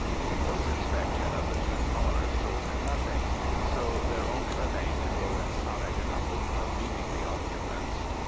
A close inspection of the two cars told him nothing, so there only remained to go inside in the hope of meeting the occupants.